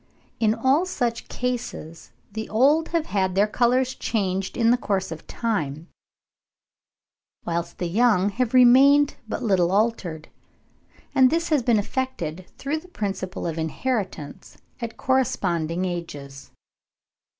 In all such cases the old have had their colours changed in the course of time, whilst the young have remained but little altered, and this has been effected through the principle of inheritance at corresponding ages.